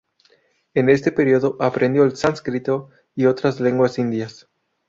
En este periodo aprendió el sánscrito y otras lenguas indias.